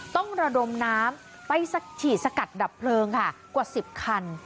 ต้องระดมน้ำไปฉีดสกัดดับเพลิงค่ะกว่า๑๐คัน